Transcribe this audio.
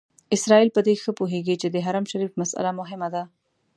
اسرائیل په دې ښه پوهېږي چې د حرم شریف مسئله مهمه ده.